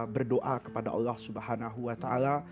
berdoa kepada allah subhanahu wa ta'ala